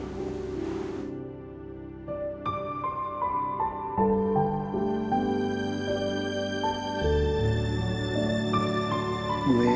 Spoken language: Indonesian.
nanti gue mau nunggu